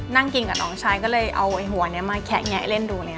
นั่งกินกับน้องชายก็เลยเอาหัวนี้มาแคะแงะเล่นดู